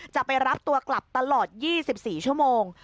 จะไปรับตัวกลับตลอด๒๔ชั่วโมง